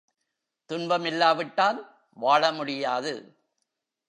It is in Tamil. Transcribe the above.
துன்பமில்லாவிட்டால் வாழ முடியாது.